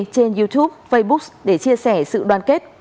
trên youtube facebook để chia sẻ sự đoàn kết